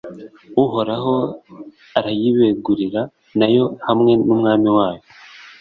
uhoraho arayibegurira na yo hamwe n'umwami wayo